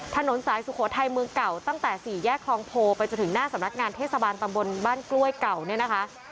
ถนนสายสุโขทัยเมืองเก่าตั้งแต่สี่แยกคลองโพไปจนถึงหน้าสำนักงานเทศบาลตำบลบ้านกล้วยเก่าเนี่ยนะคะ